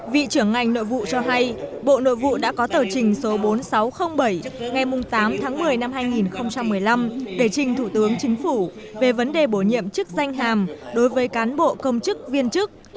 vị trưởng ngành nội vụ cho hay bộ nội vụ đã có tờ trình số bốn nghìn sáu trăm linh bảy ngày tám tháng một mươi năm hai nghìn một mươi năm để trình thủ tướng chính phủ về vấn đề bổ nhiệm chức danh hàm đối với cán bộ công chức viên chức